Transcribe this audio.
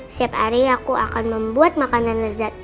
setiap hari aku akan membuat makanan lezat